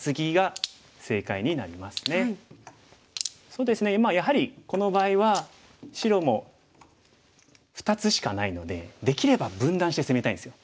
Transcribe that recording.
そうですねやはりこの場合は白も２つしかないのでできれば分断して攻めたいんですよ。